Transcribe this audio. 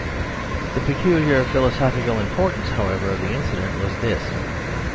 The peculiar philosophical importance, however, of the incident was this.